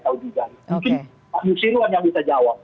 mungkin pak nusirwan yang bisa jawab